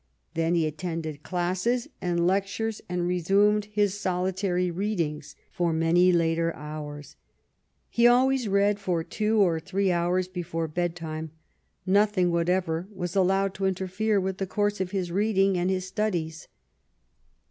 Then he attended classes and lectures and resumed his solitary readings for many later hours. He always read for two or three hours before bed time. Nothing whatever was allowed to interfere with the course of his reading and his studies.